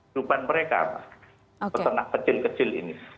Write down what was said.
hidupan mereka peternak kecil kecil ini